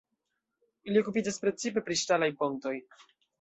Li okupiĝas precipe pri ŝtalaj pontoj.